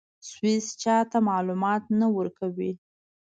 سویس چا ته معلومات نه ورکوي.